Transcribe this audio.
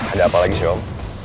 ada apa lagi si om